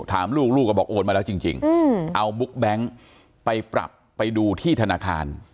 ถามลูกลูกก็บอกโอนมาแล้วจริงเอาบุ๊กแบงค์ไปปรับไปดูที่ธนาคาร